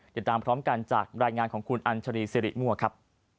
ติดตามพร้อมกันจากรายงานของคุณอัญชรีสิริมั่วครับ